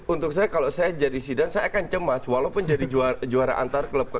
untuk saya kalau saya jadi zidane saya akan cemas walaupun jadi juara antarklub